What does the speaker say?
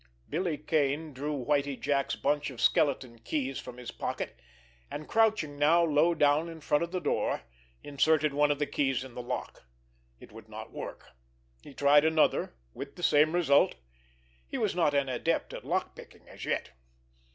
Billy Kane drew Whitie Jack's bunch of skeleton keys from his pocket, and, crouching now low down in front of the door, inserted one of the keys in the lock. It would not work. He tried another with the same result. He was not an adept at lock picking as yet!